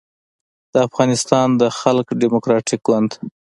د افغانستان د خلق دیموکراتیک ګوند